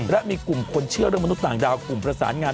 และมีกลุ่มคนเชื่อเรื่องมนุษย์ต่างดาวกลุ่มประสานงาน